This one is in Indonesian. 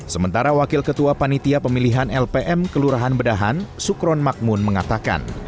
sementara wakil ketua panitia pemilihan lpm kelurahan bedahan sukron makmun mengatakan